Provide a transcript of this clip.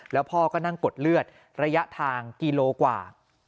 แล้วพ่อก็นั่งกดเลือดระยะทางกิโลกว่า